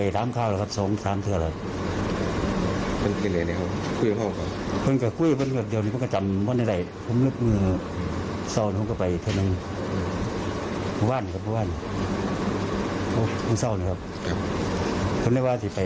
จะหาหมออีกวันที่๑๑ต้องคุยกันแล้ว